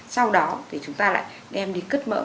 sau đó thì chúng ta lại đem đi cất mỡ